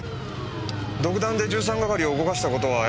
独断で１３係を動かした事は謝ります。